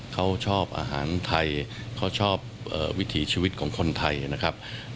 เขาชอบอาหารไทยเขาชอบวิถีชีวิตของคนไทยนะครับ